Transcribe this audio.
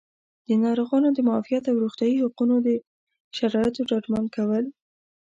د ناروغانو د معافیت او روغتیایي حقونو د شرایطو ډاډمن کول